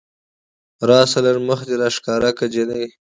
راشه لږ مخ دې راښکاره که جينۍ